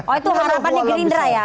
oh itu harapannya gerindra ya